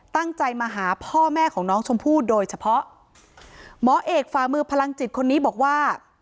ตั้งใจมาหาพ่อแม่ของน้องชมพู่โดยเฉพาะหมอเอกฝ่ามือพลังจิตคนนี้บอกว่า